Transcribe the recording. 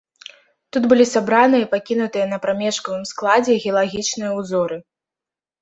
Тут былі сабраныя і пакінутыя на прамежкавым складзе геалагічныя ўзоры.